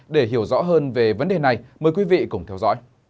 để hiểu rõ hơn về vấn đề này mời quý vị cùng theo dõi